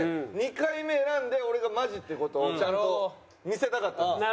２回目選んで俺がマジっていう事をちゃんと見せたかったんです。